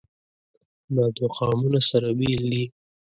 دا دوه قومونه سره بېل دي.